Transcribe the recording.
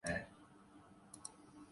اس لئے درست تشخیص کرنالازمی ہے۔